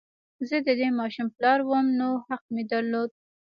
زه د دې ماشوم پلار وم نو حق مې درلود